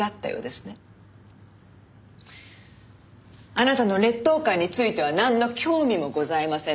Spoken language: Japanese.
あなたの劣等感についてはなんの興味もございません。